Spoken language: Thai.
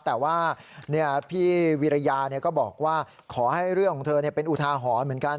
แต่ว่าพี่วิรยาก็บอกว่าขอให้เรื่องของเธอเป็นอุทาหรณ์เหมือนกัน